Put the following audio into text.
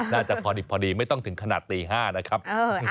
น่าจะพอดิบพอดีไม่ต้องถึงขนาดตี๕นะครับ